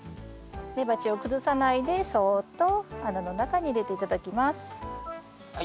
根鉢を崩さないでそっと穴の中に入れて頂きます。